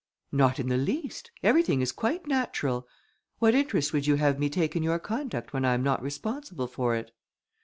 "Not in the least, everything is quite natural. What interest would you have me take in your conduct, when I am not responsible for it?"